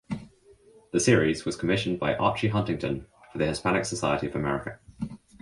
The series was commissioned by Archie Huntington for the Hispanic Society of America.